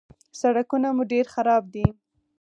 _سړکونه مو ډېر خراب دي.